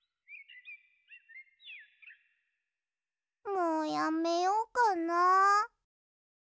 もうやめようかな。